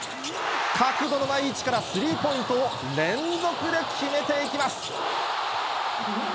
角度のない位置からスリーポイントを連続で決めていきます。